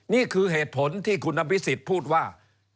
นี่คือเหตุผลที่คุณพิสิทธิ์พูดว่า